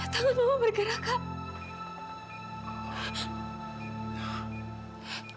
tangan mama bergerak kak